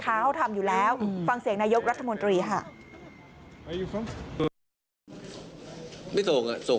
เขาทำอยู่แล้วฟังเสียงนายกรัฐมนตรีค่ะ